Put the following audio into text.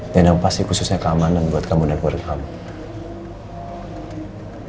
dan yang pasti khususnya keamanan buat kamu dan keluarga kamu